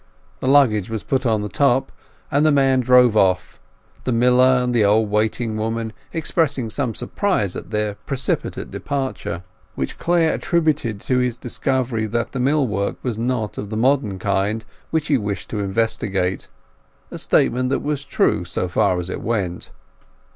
The luggage was put on the top, and the man drove them off, the miller and the old waiting woman expressing some surprise at their precipitate departure, which Clare attributed to his discovery that the mill work was not of the modern kind which he wished to investigate, a statement that was true so far as it went.